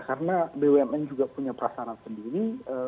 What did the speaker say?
karena bumn juga punya perasaran sendiri